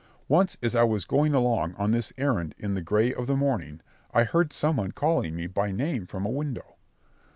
Once as I was going along on this errand in the gray of the morning, I heard some one calling me by name from a window.